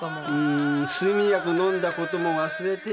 睡眠薬飲んだことも忘れて？